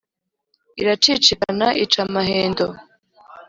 Iracicikana ica amahendo